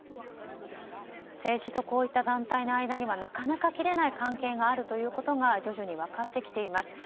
政治とこういった団体の間にはなかなか切れない関係があるということが徐々に分かってきています。